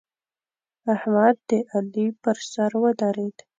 احمد د علي پر سر ودرېد.